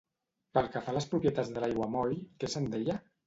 Pel que fa a les propietats de l'aiguamoll, què se'n deia?